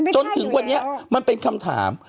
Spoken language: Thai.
จนถึงวันนี้มันเป็นคำถาม